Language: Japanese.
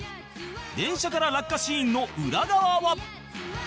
電車から落下シーンの裏側は？